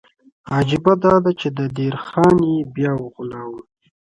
عجیبه دا ده چې د دیر خان یې بیا وغولاوه.